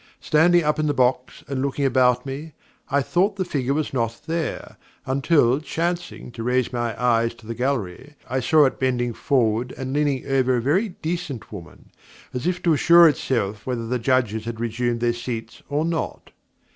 Standing up in the box and looking about me, I thought the figure was not there, until, chancing to raise my eyes to the gallery, I saw it bending forward and leaning over a very decent woman, as if to assure itself whether the Judges had resumed their seats or not.